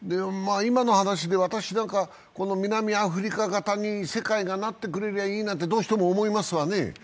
今の話で、私なんかこの南アフリカ型に世界がなってくれればいいななんてどうしても思いますわね。